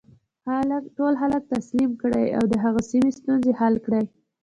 ټول خلک تسلیم کړي او د هغې سیمې ستونزې حل کړي.